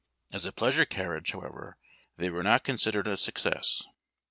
As a pleasure carriage, however, they were not considered a success.